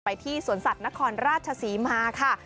ที่สวนสัตว์นครราชศรีมาค่ะ